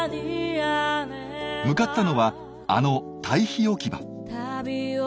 向かったのはあの堆肥置き場。